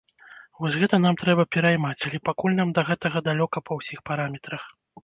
Вось гэта нам трэба пераймаць, але пакуль нам да гэтага далёка па ўсіх параметрах.